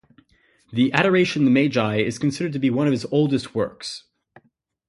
The "Adoration of the Magi" is considered to be one of his oldest works.